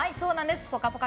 「ぽかぽか」